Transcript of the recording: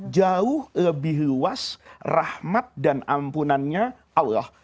jauh lebih luas rahmat dan ampunannya allah